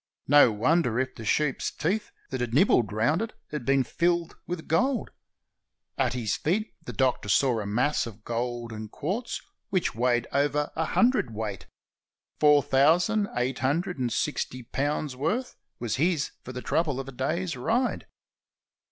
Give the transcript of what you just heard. No wonder if the sheep's teeth that had nibbled round it had been "filled" with gold. At his feet the Doctor saw a mass of gold and quartz which weighed over a hundredweight. Four thousand eight hundred and sixty pounds' worth was his for the trouble of the day's ride.